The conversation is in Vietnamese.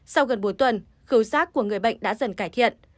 sau gần bốn tuần khẩu giác của người bệnh đã dần cải thiện